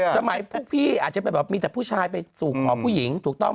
สมัยพี่อาจจะไปบอกมีแต่ผู้ชายไปสู่ขอผู้หญิง